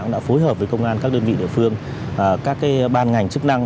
đã phối hợp với công an các đơn vị địa phương các ban ngành chức năng